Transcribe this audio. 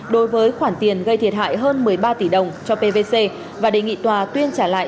đối với khoản tiền gây thiệt hại hơn một mươi ba tỷ đồng cho pvc và đề nghị tòa tuyên trả lại